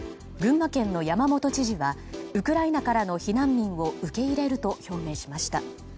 群馬県の山本知事はウクライナからの避難民を受け入れると表明しました。